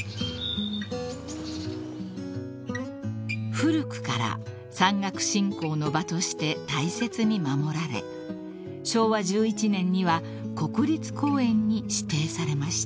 ［古くから山岳信仰の場として大切に守られ昭和１１年には国立公園に指定されました］